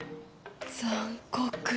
残酷。